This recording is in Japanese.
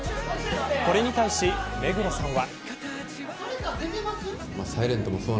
これに対し目黒さんは。